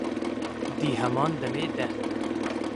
di heman demê de